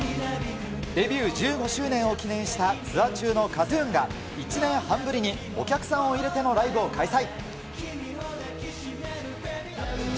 デビュー１５周年を記念したツアー中のＫＡＴーＴＵＮが、１年半ぶりにお客さんを入れてのライブを開催。